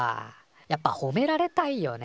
やっぱほめられたいよね。